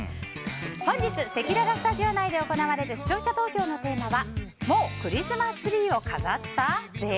本日、せきららスタジオ内で行われる視聴者投票のテーマはもうクリスマスツリーを飾った？です。